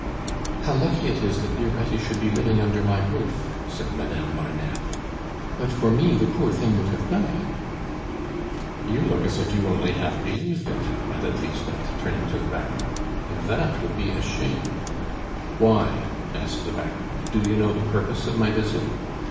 "How lucky it is that dear Betty should be living under my roof!" said Madame Marneffe. "But for me, the poor thing would have died." "You look as if you only half believed it," added Lisbeth, turning to the Baron, "and that would be a shame " "Why?" asked the Baron. "Do you know the purpose of my visit?"